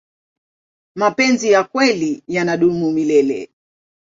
mapenzi ya kweli yanadumu milele